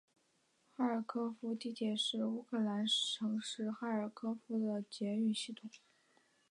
哈尔科夫地铁是乌克兰城市哈尔科夫的捷运系统。